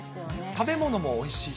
食べ物もおいしいし。